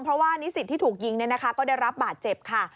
เพราะว่านิสิตที่ถูกยิงก็ได้รับบาดเจ็บค่ะ